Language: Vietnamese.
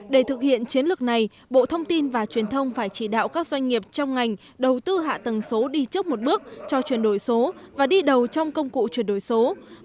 để thực hiện chiến lược này bộ thông tin và truyền thông phải chỉ đạo các doanh nghiệp trong ngành đầu tư hạ tầng số đi trước một bước cho chuyển đổi số và đi đầu trong công cụ chuyển đổi số